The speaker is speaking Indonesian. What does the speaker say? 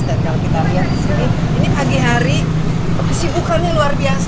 dan kalau kita lihat disini ini pagi hari kesibukannya luar biasa